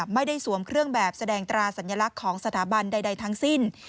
ไม่ได้สวมเครื่องแบบแสดงตราสัญลักษณ์ของสถาบันใดทั้งสิ้น